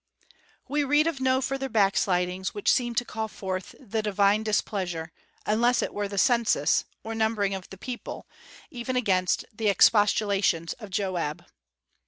We read of no further backslidings which seemed to call forth the divine displeasure, unless it were the census, or numbering of the people, even against the expostulations of Joab.